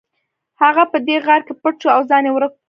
هغه په دې غار کې پټ شو او ځان یې ورک کړ